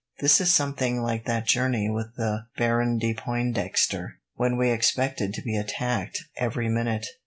This is something like that journey with the Baron de Pointdexter, when we expected to be attacked every minute."